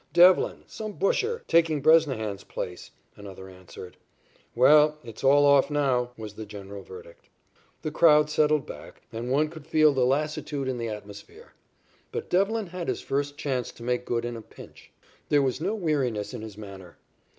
"Devlin, some busher, taking Bresnahan's place," another answered. "Well, it's all off now," was the general verdict. The crowd settled back, and one could feel the lassitude in the atmosphere. But Devlin had his first chance to make good in a pinch. There was no weariness in his manner.